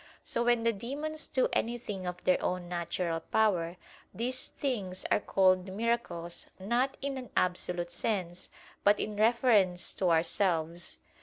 So when the demons do anything of their own natural power, these things are called "miracles" not in an absolute sense, but in reference to ourselves.